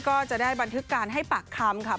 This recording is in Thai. ก็จะได้บันทึกการให้ปากคำค่ะ